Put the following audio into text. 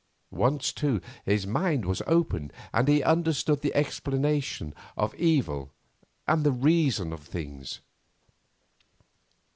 Once, too, his mind was opened, and he understood the explanation of Evil and the Reason of Things.